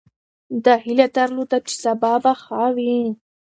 ده هیله درلوده چې سبا به ښه وي.